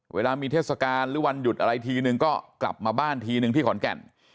เวลามีเทศกาลหรือวันหยุดอะไรทีนึงก็กลับมาบ้านทีนึงที่ขอนแก่น